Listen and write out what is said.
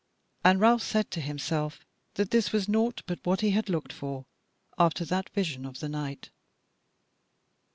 And Ralph said to himself that this was naught but what he had looked for after that vision of the night.